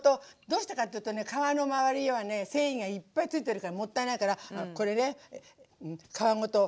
どうしてかっていうとね皮の周りには繊維がいっぱいついてるからもったいないからこれね皮ごと。